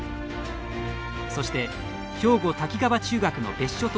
そして兵庫・滝川中学の別所投手。